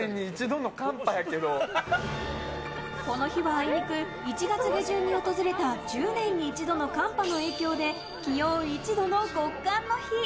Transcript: この日はあいにく１月下旬に訪れた１０年に一度の寒波の影響で気温１度の極寒の日。